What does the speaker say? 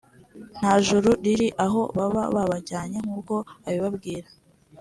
nta juru riri aho baba babajyanye nk’uko abibabwira"